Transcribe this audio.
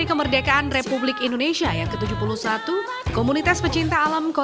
kemerdekaan republik indonesia